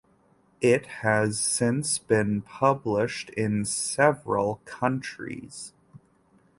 It has since been published in several countries.